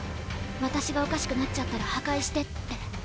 「私がおかしくなっちゃったら破壊して」って。